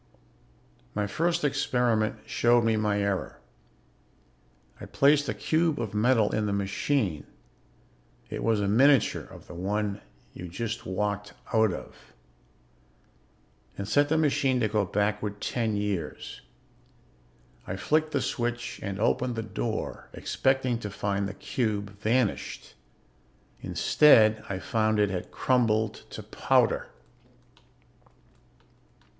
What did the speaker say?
"My first experiment showed me my error. I placed a cube of metal in the machine it was a miniature of the one you just walked out of and set the machine to go backward ten years. I flicked the switch and opened the door, expecting to find the cube vanished. Instead I found it had crumbled to powder.